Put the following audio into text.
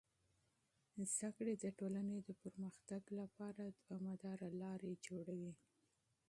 علم د ټولنې د پرمختګ لپاره دوامداره بنسټ برابروي.